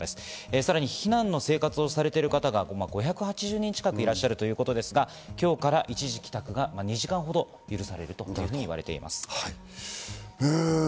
さらに避難生活をされている方が５８０人近くいらっしゃるということですが、今日から一時帰宅が２時間ほど許されるということです。